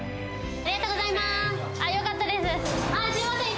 ありがとうございます。